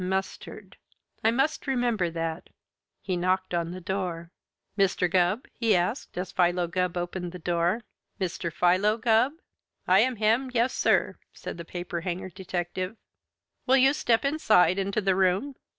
Mustard! I must remember that." He knocked on the door. "Mr. Gubb?" he asked, as Philo Gubb opened the door. "Mr. Philo Gubb?" "I am him, yes, sir," said the paper hanger detective. "Will you step inside into the room?"